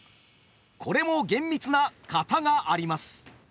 これも厳密な「型」があります。